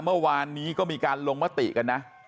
เมื่อวานนี้ก็มีการลงมติกันนะ